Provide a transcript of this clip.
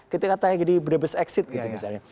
ketika tanya di brevis exit gitu misalnya